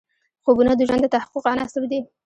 خوبونه د ژوند د تحقق عناصر دي.